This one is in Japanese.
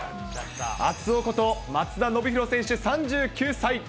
熱男こと松田宣浩選手３９歳。